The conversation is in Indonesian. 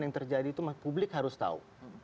yang terjadi itu publik harus tahu